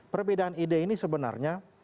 perbedaan ide ini sebenarnya